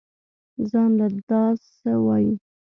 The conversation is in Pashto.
زان له دا سه وايې.